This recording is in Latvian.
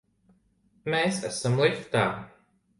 Mēs esam liftā!